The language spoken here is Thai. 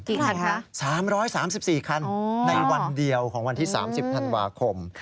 คันคะ๓๓๔คันในวันเดียวของวันที่๓๐ธันวาคม